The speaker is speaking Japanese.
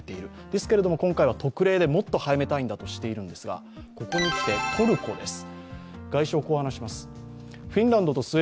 ですけれども今回は特例でもっと早めたいんだとしていますがここにきてトルコです。